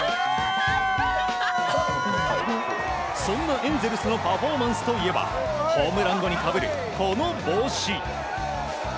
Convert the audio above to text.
そんなエンゼルスのパフォーマンスといえばホームラン後にかぶるこの帽子。